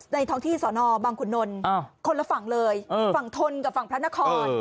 ท้องที่สอนอบางขุนนลคนละฝั่งเลยฝั่งทนกับฝั่งพระนคร